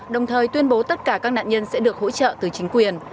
đồng thời tuyên bố tất cả các nạn nhân sẽ được hỗ trợ từ chính quyền